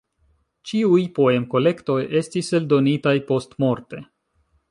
Ĉiuj poem-kolektoj estis eldonitaj postmorte.